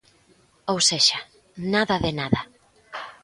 Ou sexa, nada de nada.